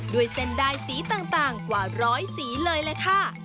ด้วยเส้นได้สีต่างกว่าร้อยสีเลยล่ะค่ะ